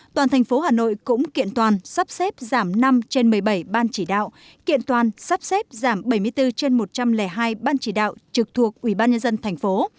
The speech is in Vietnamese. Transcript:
toàn thành phố hà nội cũng kiện toàn sắp xếp giảm năm trên một mươi bảy ban chỉ đạo kiện toàn sắp xếp giảm bảy mươi bốn trên một trăm linh hai ban chỉ đạo trực thuộc ubnd tp